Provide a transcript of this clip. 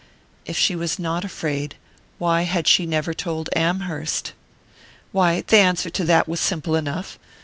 If she was not afraid, why had she never told Amherst? Why, the answer to that was simple enough!